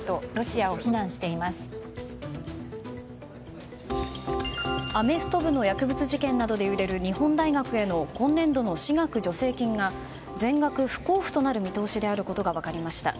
アメフト部の薬物事件などで揺れる日本大学への今年度の私学助成金が全額不交付となる見通しであることが分かりました。